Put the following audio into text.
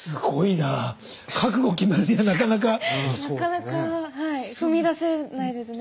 なかなかはい踏み出せないですね。